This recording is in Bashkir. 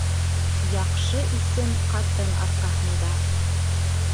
Яҡшы исем ҡатын арҡаһында.